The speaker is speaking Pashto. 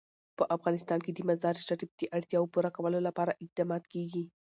په افغانستان کې د مزارشریف د اړتیاوو پوره کولو لپاره اقدامات کېږي.